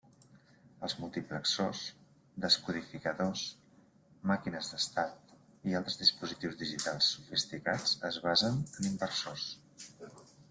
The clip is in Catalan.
Els Multiplexors, descodificadors, màquines d'estat, i altres dispositius digitals sofisticats es basen en inversors.